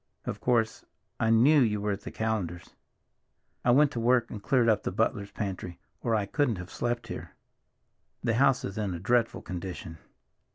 Of course, I knew you were at the Callenders'. I went to work and cleared up the butler's pantry, or I couldn't have slept here! The house is in a dreadful condition."